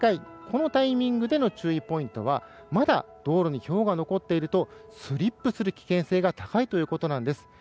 このタイミングでの注意ポイントはまだ道路にひょうが残っているとスリップする危険性が高いということなんです。